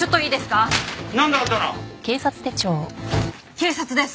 警察です！